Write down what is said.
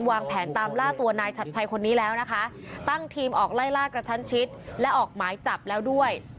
วางแผนตามล่าตัวนายชัดชัยคนนี้แล้วนะคะตั้งทีมออกไล่ล่ากระชั้นชิดและออกหมายจับแล้วด้วย